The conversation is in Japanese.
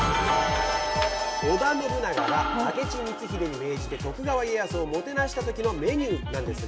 織田信長が明智光秀に命じて徳川家康をもてなした時のメニューなんですが。